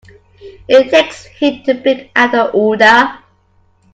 It takes heat to bring out the odor.